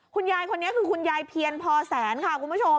คุณยายคนนี้คือคุณยายเพียรพอแสนค่ะคุณผู้ชม